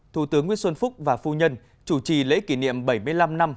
thủ tướng nguyễn xuân phúc và phu nhân chủ trì lễ kỷ niệm bảy mươi năm năm